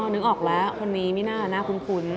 อ๋อนึกออกแล้วคนนี้ไม่น่าคุ้น